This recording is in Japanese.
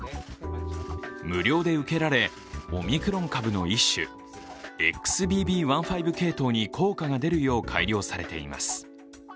無料で受けられ、オミクロン株の一種ＸＢＢ．１．５系統に効果が出るよう改良されています。